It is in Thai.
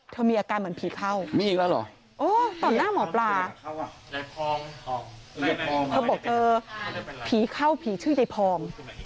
เธอมีอาการเหมือนผีเข้าตอนหน้าหมอปลาเธอบอกเออผีเข้าผีชื่นไอพอง